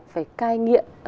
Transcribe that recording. phải cai nghiện